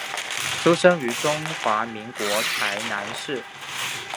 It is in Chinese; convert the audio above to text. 出生于中华民国台南市。